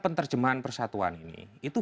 penterjemahan persatuan ini itu